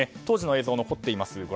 当時の映像が残っています。